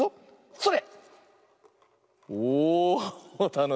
それ！